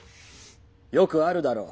よくあるだろう。